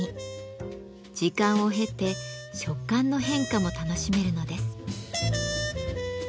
時間を経て食感の変化も楽しめるのです。